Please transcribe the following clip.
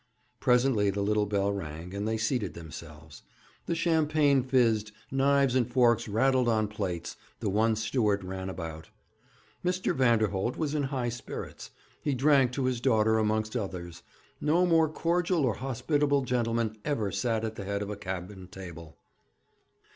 Presently the little bell rang, and they seated themselves. The champagne fizzed, knives and forks rattled on plates, the one steward ran about. Mr. Vanderholt was in high spirits; he drank to his daughter amongst others; no more cordial or hospitable gentleman ever sat at the head of a cabin table.